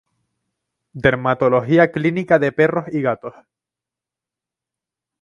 Dermatología clínica de perros y gatos.